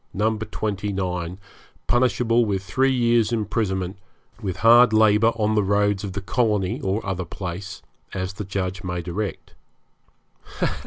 29, punishable with three years' imprisonment, with hard labour on the roads of the colony or other place, as the Judge may direct.